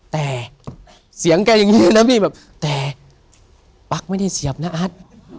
แต่เสียงแกอย่างนี้เลยนะพี่แบบแต่ปั๊กไม่ได้เสียบนะอัด